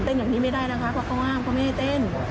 เต้นอย่างนี้ไม่ได้นะคะเขาก็อ้างเขาไม่ให้เต้น